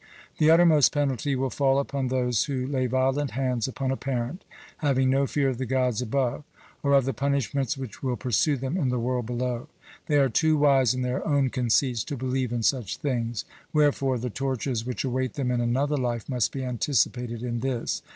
The uttermost penalty will fall upon those who lay violent hands upon a parent, having no fear of the Gods above, or of the punishments which will pursue them in the world below. They are too wise in their own conceits to believe in such things: wherefore the tortures which await them in another life must be anticipated in this.